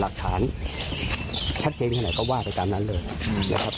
หลักฐานชัดเช็นขนาดก็วาดไปตามนั้นเลยนะครับ